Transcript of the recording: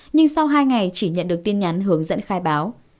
nhưng sau hai ngày chỉ nhận được tin nhắn hướng dẫn khai báo